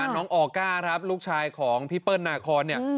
น้องออก้าลูกชายของพี่เปิ้ลนาคอน